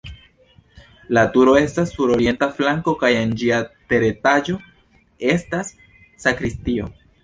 La turo estas sur orienta flanko kaj en ĝia teretaĝo estas sakristio.